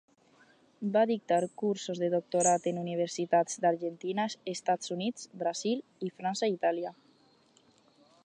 Va dictar cursos de doctorat en Universitats d'Argentina, Estats Units, Brasil i França i Itàlia.